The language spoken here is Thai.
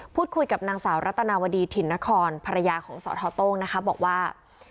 พูดคุยกับหลังสาวรัตนวดีถิ่นนฆรพรรยาของสอทบอกว่า